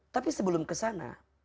tapi sebelum kesan